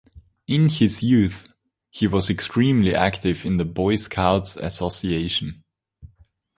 In his youth he was extremely active in The Boy Scouts Association.